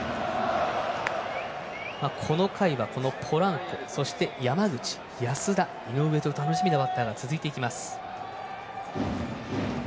この回はポランコ、そして、山口安田、井上と楽しみなバッターが続いていきます。